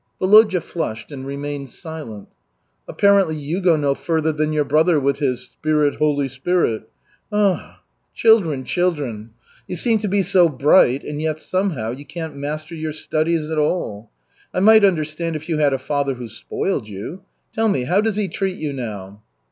Volodya flushed and remained silent. "Apparently, you go no further than your brother with his 'Spirit Holy Spirit,' Ah, children, children! You seem to be so bright and yet somehow you can't master your studies at all. I might understand if you had a father who spoiled you. Tell me, how does he treat you now?"